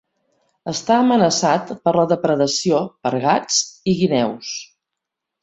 Està amenaçat per la depredació per gats i guineus.